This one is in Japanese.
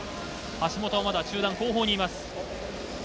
橋本はまだ集団後方にいます。